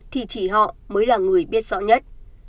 thì chỉ họ mới là người biết rõ nhất